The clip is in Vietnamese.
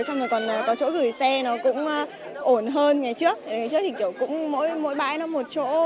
xong rồi còn có chỗ gửi xe nó cũng ổn hơn ngày trước ngày trước thì kiểu cũng mỗi mỗi bãi nó một chỗ